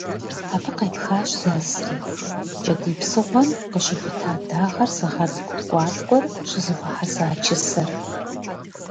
Абы къепхащ зэзри - кӏэтӏий псыгъуэм къыщыхута дагъэр зыгъэткӏу ткӏуаткӏуэр щызэхуэхьэса «чысэр».